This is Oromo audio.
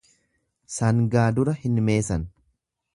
Sangaa dura hin meesan.